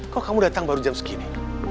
kok kamu datang baru jam segini